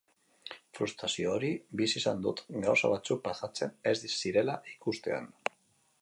Frustrazio hori bizi izan dut, gauza batzuk pasatzen ez zirela ikustean.